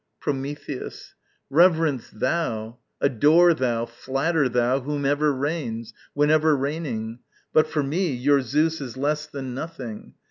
Prometheus. Reverence thou, Adore thou, flatter thou, whomever reigns, Whenever reigning! but for me, your Zeus Is less than nothing.